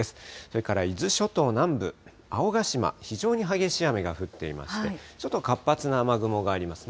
それから伊豆諸島南部、青ヶ島、非常に激しい雨が降っていまして、ちょっと活発な雨雲があります。